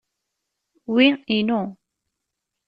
Wi inu.